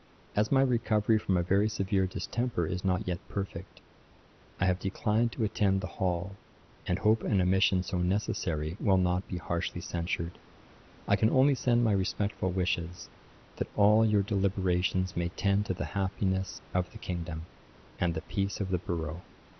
As my recovery from a very severe distemper is not yet perfect, I have declined to attend the Hall, and hope an omission so necessary will not be harshly censured. 'I can only send my respectful wishes, that all your deliberations may tend to the happiness of the kingdom, and the peace of the borough.